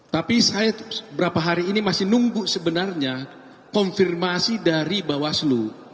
tapi saya beberapa hari ini masih nunggu sebenarnya konfirmasi dari bawaslu